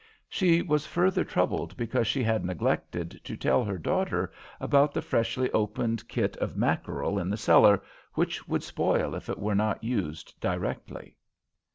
She was further troubled because she had neglected to tell her daughter about the freshly opened kit of mackerel in the cellar, which would spoil if it were not used directly.